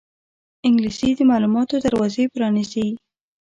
انګلیسي د معلوماتو دروازې پرانیزي